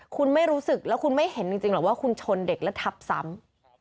คุณไม่รู้สึกแล้วคุณไม่เห็นจริงเหรอว่าคุณชนเด็กแล้วทับซ้ำ